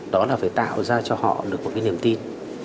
đó là phải tạo ra cho họ được một cái niềm tin